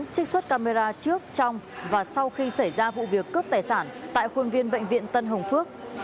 trích xuất camera trước trong và sau khi xảy ra vụ việc cướp tài sản tại khuôn viên bệnh viện tân hồng phước